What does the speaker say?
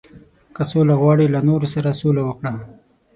• که سوله غواړې، له نورو سره سوله وکړه.